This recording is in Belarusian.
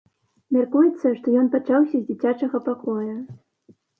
Мяркуецца, што ён пачаўся з дзіцячага пакоя.